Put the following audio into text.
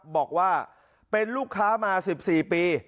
บอกว่าเป็นลูกค้ามา๑๔ปี